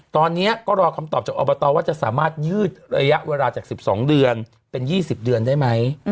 ตอนนี้ก็รอคำตอบจากอบตว่าจะสามารถยืดระยะเวลาจาก๑๒เดือนเป็น๒๐เดือนได้ไหม